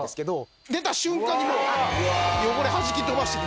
出た瞬間にもう汚れはじき飛ばしていく。